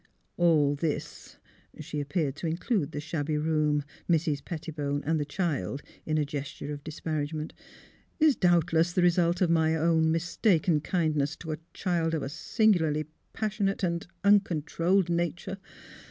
" All this "— she appeared to include the shabby room, Mrs. Pettibone, and the child in a gesture of disparagement —" is doubtless the result of my own mistaken kindness to a child of a singu larly passionate and — uncontrolled nature.